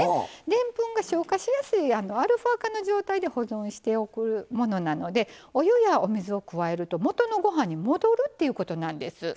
でんぷんが消化しやすいアルファ化の状態で保存しておくものなのでお湯やお水を加えると元のご飯に戻るっていうことなんです。